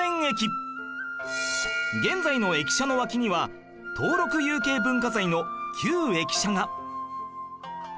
現在の駅舎の脇には登録有形文化財の旧駅舎が